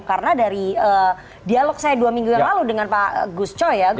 karena dari dialog saya dua minggu yang lalu dengan pak gus choi ya